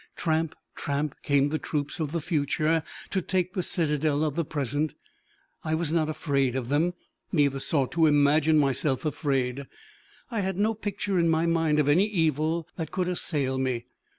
Tramp, tramp, came the troops of the future, to take the citadel of the present! I was not afraid of them, neither sought to imagine myself afraid! I had no picture in my mind of any evil that could assail me.